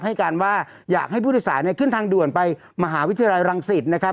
ให้การว่าอยากให้ผู้โดยสารเนี่ยขึ้นทางด่วนไปมหาวิทยาลัยรังสิตนะครับ